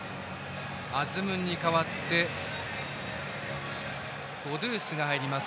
アズムンに代わってゴドゥースが入ります。